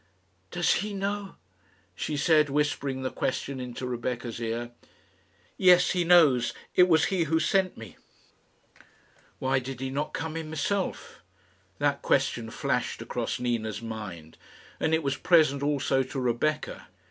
"Does he know?" she said, whispering the question into Rebecca's ear. "Yes, he knows. It was he who sent me." Why did he not come himself? That question flashed across Nina's mind, and it was present also to Rebecca.